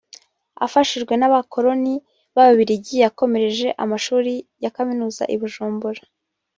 Afashijwe n’Abakoroni b’Ababiligi yakomereje amashuri ya kaminuza i Bujumbura